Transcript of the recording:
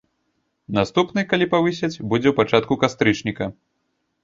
Наступны, калі павысяць, будзе ў пачатку кастрычніка.